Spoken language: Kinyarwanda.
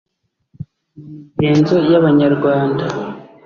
mu migenzo y’abanyarwanda.